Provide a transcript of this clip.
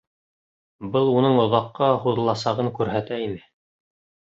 Был уның оҙаҡҡа һуҙыласағын күрһәтә ине.